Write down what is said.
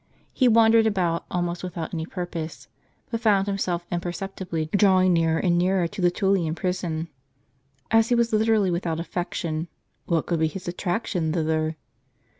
He wandered about, almost without any purpose ; but found himself imperceptibly drawing nearer and nearer to the TuUian prison. As he was literally without affection, what could be his attraction thither?